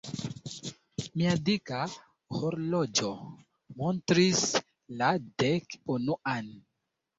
Mia dika horloĝo montris la dek-unuan.